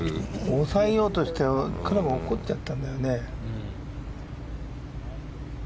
押さえようとしてクラブが落っこちちゃったんだよね。